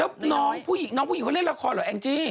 แล้วน้องผู้หญิงเขาเล่นละครเหรอแองจี้